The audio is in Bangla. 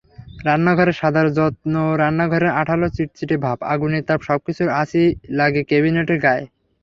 রান্নাঘরে সাদার যত্নেরান্নাঘরের আঠালো চিটচিটে ভাব, আগুনের তাপ—সবকিছুর আঁচই লাগে কেবিনেটের গায়ে।